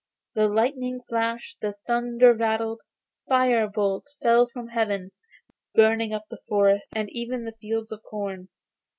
The lightning flashed, the thunder rattled, fire bolts fell from heaven, burning up the forests and even the fields of corn.